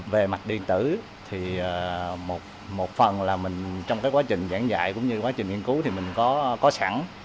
về mặt điện tử thì một phần là mình trong cái quá trình giảng dạy cũng như quá trình nghiên cứu thì mình có sẵn